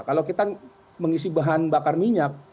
kalau kita mengisi bahan bakar minyak